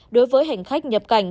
đối với hành khách nhập cảnh